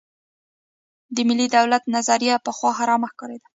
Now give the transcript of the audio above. د ملي دولت نظریه پخوا حرامه ښکارېده.